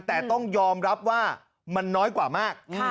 แต่ต้องยอมรับว่ามันน้อยกว่ามาก